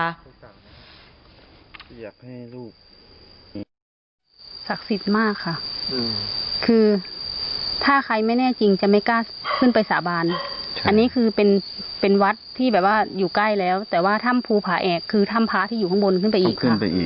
อยากให้ลูกศักดิ์สิทธิ์มากค่ะคือถ้าใครไม่แน่จริงจะไม่กล้าขึ้นไปสาบานอันนี้คือเป็นเป็นวัดที่แบบว่าอยู่ใกล้แล้วแต่ว่าถ้ำภูผาแอกคือถ้ำพระที่อยู่ข้างบนขึ้นไปอีกขึ้นไปอีก